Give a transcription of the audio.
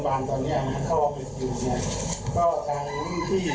แล้วก็เอามาคนที่สามคือคนที่เจ็ดหนักที่อยู่ที่โรงพยาบาลตอนเนี่ย